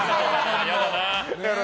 嫌だな。